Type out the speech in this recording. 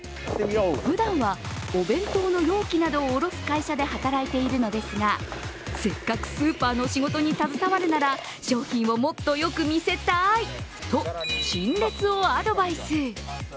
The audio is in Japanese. ふだんはお弁当の容器などを卸す会社で働いているのですがせっかくスーパーの仕事に携わるなら、商品をもっとよく見せたいと陳列をアドバイス。